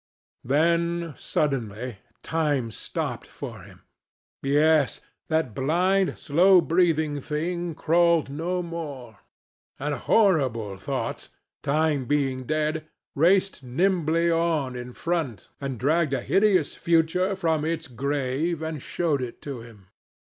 Then, suddenly, time stopped for him. Yes: that blind, slow breathing thing crawled no more, and horrible thoughts, time being dead, raced nimbly on in front, and dragged a hideous future from its grave, and showed it to him.